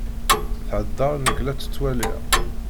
Thedder, nek la tt-ttwaliɣ.